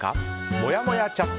もやもやチャット。